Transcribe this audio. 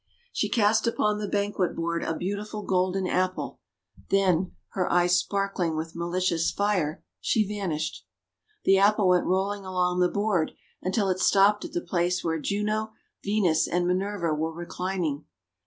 She cast upon the banquet board a beautiful Golden Apple; then, her eyes sparkling with malicious fire, she vanished. The Apple went rolling along the board until it stopped at the place where Juno, Venus, and Minerva were reclining.